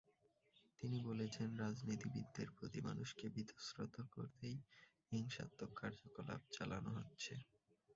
তিনি বলেছেন, রাজনীতিবিদদের প্রতি মানুষকে বীতশ্রদ্ধ করতেই হিংসাত্মক কার্যকলাপ চালানো হচ্ছে।